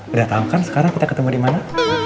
udah tau kan sekarang kita ketemu dimana